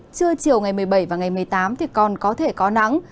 trưa chiều ngày một mươi bảy và ngày một mươi tám thì còn có thể có nắng